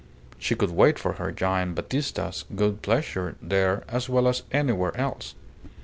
She could wait for her Gian' Battista's good pleasure there as well as anywhere else.